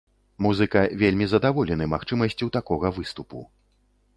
Музыка вельмі задаволены магчымасцю такога выступу.